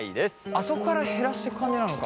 あそこから減らしてく感じなのか。